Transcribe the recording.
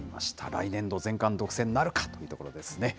来年度、全冠独占なるかというところですね。